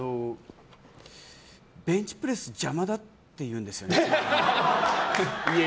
ベンチプレス邪魔だっていうんですね。